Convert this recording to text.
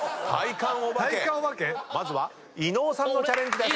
まずは伊野尾さんのチャレンジです。